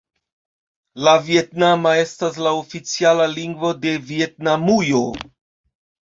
La vjetnama estas la oficiala lingvo de Vjetnamujo.